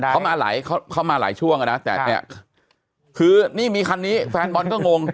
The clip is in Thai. เขามาหลายช่วงนะแต่เนี่ยคือนี่มีคันนี้แฟนบอลก็งง